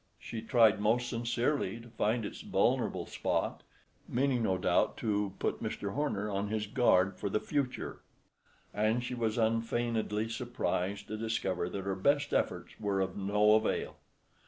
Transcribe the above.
She tried most sincerely to find its vulnerable spot, meaning no doubt to put Mr. Homer on his guard for the future; and she was unfeignedly surprised to discover that her best efforts were of no avail.